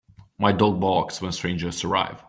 My dog barks when strangers arrive.